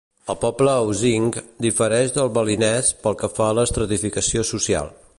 El poble osing difereix del balinès pel que fa a l'estratificació social.